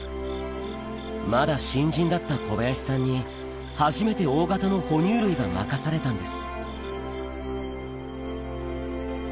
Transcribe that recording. まだ新人だった小林さんに初めて大型の哺乳類が任されたんです